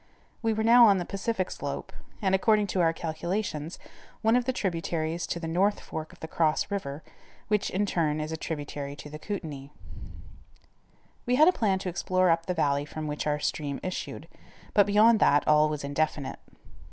We were now on the Pacific slope, and, according to our calculations, on one of the tributaries to the north fork of the Cross River, which, in turn, is a tributary to the Kootanie. We had a plan to explore up the valley from which our stream issued, but beyond that, all was indefinite.